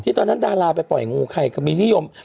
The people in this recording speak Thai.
ตอนนั้นดาราไปปล่อยงูใครก็มีนิยม